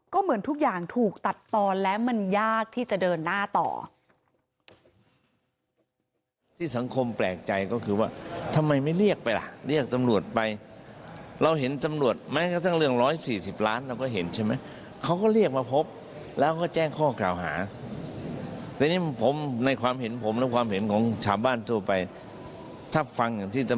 ก็เหมือนทุกอย่างถูกตัดตอนและมันยากที่จะเดินหน้าต่อ